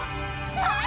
「はい！」